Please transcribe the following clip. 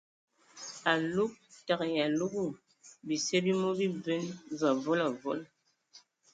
Alug təgə ai alugu ;bisie bi mɔ biben və avɔl avɔl.